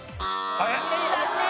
残念。